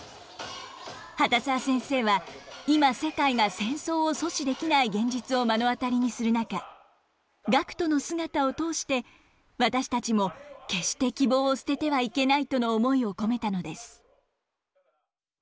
畑澤先生は今世界が戦争を阻止できない現実を目の当たりにする中ガクトの姿を通して私たちも決して希望を捨ててはいけないとの思いを込めたのです。